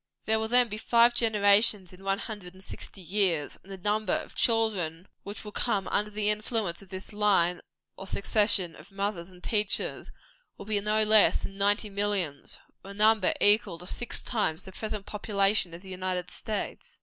There will then be five generations in one hundred and sixty years; and the number of children which will come under the influence of this line or succession of mothers and teachers, will be no less than ninety millions; or a number equal to six times the present population of the United States.